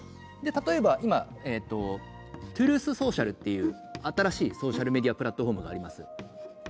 例えば今、トゥルース・ソーシャルという新しいソーシャルメディアプラットフォームがあります。